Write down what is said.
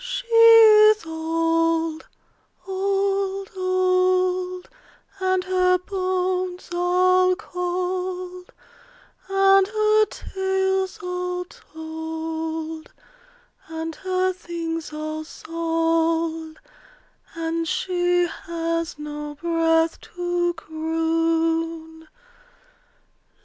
She is old, old, old; And her bones all cold, And her tales all told, And her things all sold, And she has no breath to croon.